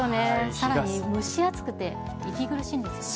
さらに蒸し暑くて、息苦しいんですよね。